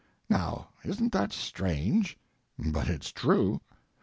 Now, isn't that strange? But it's true.